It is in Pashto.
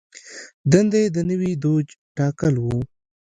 دنده یې د نوي دوج ټاکل و.